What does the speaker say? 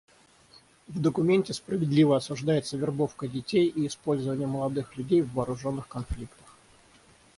В документе справедливо осуждается вербовка детей и использование молодых людей в вооруженных конфликтах.